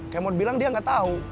kemot bilang dia gak tahu